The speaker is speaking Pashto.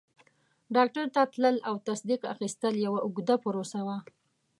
ډاکټر ته تلل او تصدیق اخیستل یوه اوږده پروسه وه.